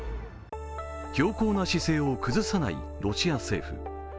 強硬な姿勢を崩さないロシア政府。